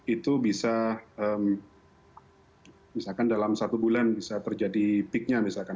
itu bisa misalkan dalam satu bulan bisa terjadi peaknya misalkan